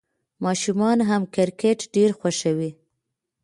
ماشومان هم کرکټ ډېر خوښوي.